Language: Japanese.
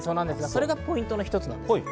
それがポイントの一つです。